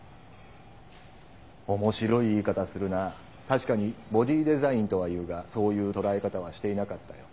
確かに「ボディーデザイン」とは言うがそういう捉え方はしていなかったよ。